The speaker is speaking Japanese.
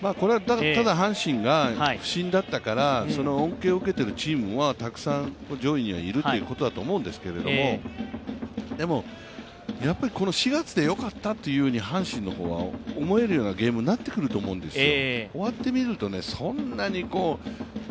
阪神が不振だったからその恩恵を受けているチームはたくさん上位にはいるということだと思うんですけど、でも、この４月でよかったというふうに阪神の方は思えるようなゲームになってくると思うんですよ。